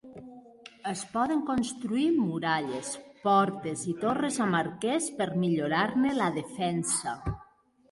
Es poden construir muralles, portes i torres amb arquers per millorar-ne la defensa.